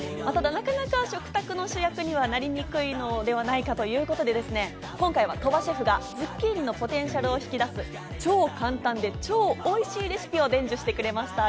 なかなか食卓の主役になりにくいのではないかということでですね、今回は鳥羽シェフがズッキーニのポテンシャルを引き出す、超簡単で超おいしいレシピを伝授してくれました。